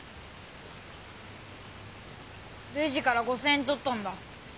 レジから５０００円取ったんだ。